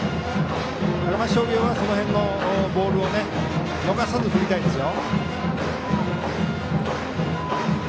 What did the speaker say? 高松商業はその辺のボールを逃さず振りたいですよ。